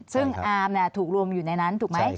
ซึ่งอาร์มถูกรวมอยู่ในนั้นถูกไหม